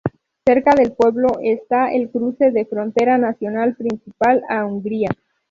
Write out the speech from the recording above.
Cerca del pueblo está el cruce de frontera nacional principal a Hungría.